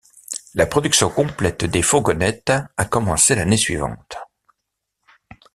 La production complète des fourgonnettes a commencé l'année suivante.